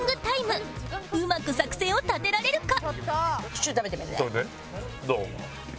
うまく作戦を立てられるか？